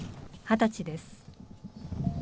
二十歳です